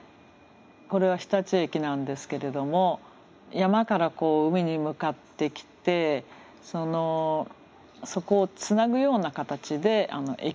これは日立駅なんですけれども山から海に向かってきてそこをつなぐような形で駅があります。